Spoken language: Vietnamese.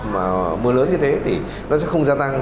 mà mưa lớn như thế thì nó sẽ không gia tăng